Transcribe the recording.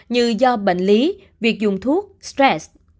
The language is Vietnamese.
như do bệnh lý việc dùng thuốc stress